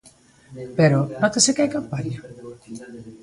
Pero, nótase que hai campaña?